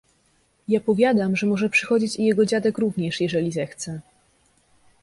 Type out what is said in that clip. "Ja powiadam, że może przychodzić i jego dziadek również, jeżeli zechce."